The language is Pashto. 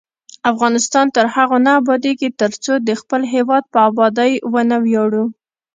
افغانستان تر هغو نه ابادیږي، ترڅو د خپل هیواد په ابادۍ ونه ویاړو.